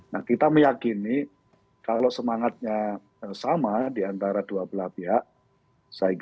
nah kita meyakini kalau semangatnya sama diantara dua belah pihak